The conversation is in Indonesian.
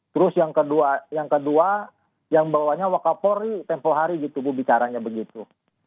terus yang kedua yang bawanya wakapori tempoh hari gitu bu bicaranya begitu